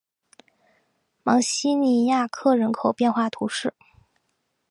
芒西尼亚克人口变化图示